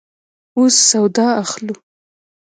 اوس سودا اخلو